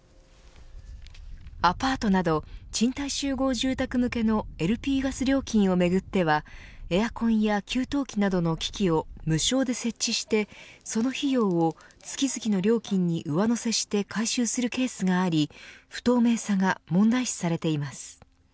アパートなど賃貸集合住宅向けのＬＰガス料金をめぐってはエアコンや給湯器などの機器を無償で設置してその費用を月々の料金に上乗せして回収するケースがあり不透明さが問題視されています。